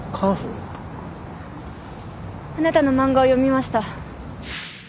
あなたの漫画を読みました。